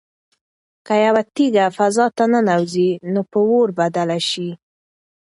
که یوه تیږه فضا ته ننوځي نو په اور بدله شي.